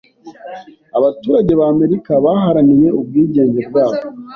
Abaturage ba Amerika baharaniye ubwigenge bwabo.